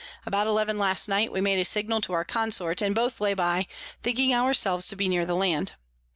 About eleven last night we made a Signal to our Consort, and both lay by, thinking our selves to be near the Land.